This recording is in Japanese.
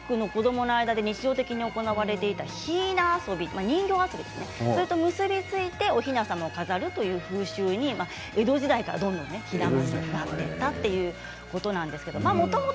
貴族の子どもの間で日常的に行われたひいな遊び人形遊びと結び付いておひな様を飾るという風習に江戸時代からどんどんなっていったということなんです。